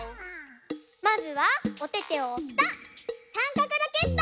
まずはおててをぴたっ！